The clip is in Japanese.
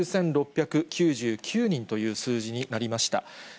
９６９９人という数字になりました。